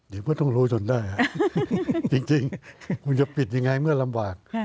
เดี๋ยวก็ต้องรู้จนได้จริงคุณจะปิดยังไงเมื่อลำบาก